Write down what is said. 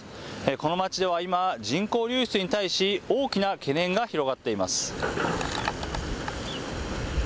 この街では今、人口流出に対し、大きな懸念が広がっています。